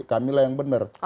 kamilah yang benar